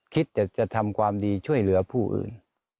คิดจะทำความดีช่วยเหลือผู้อื่น